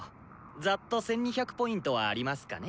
ざっと１２００Ｐはありますかね。